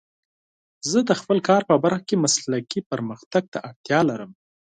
زه د خپل کار په برخه کې مسلکي پرمختګ ته اړتیا لرم.